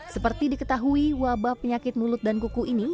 seperti diketahui wabah penyakit mulut dan kuku ini